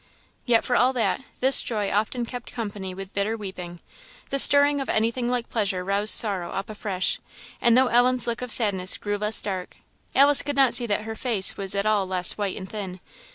Yet for all that, this joy often kept company with bitter weeping; the stirring of anything like pleasure roused sorrow up afresh, and though Ellen's look of sadness grew less dark, Alice could not see that her face was at all less white and thin.